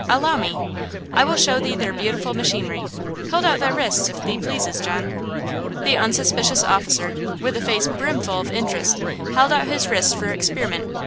Allow me! I will show thee their beautiful machinery! Hold out thy wrists, if thee pleases, John.' "The unsuspicious officer, with a face brimful of interest, held out his wrists for experiment.